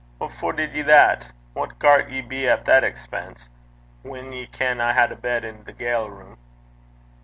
'What for did ye that? What gart ye be at that expense, whan ye kent I had a bed i' the ga'le room?'